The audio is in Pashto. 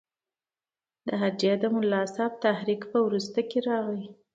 د هډې د ملاصاحب تحریک په وروسته کې راغی.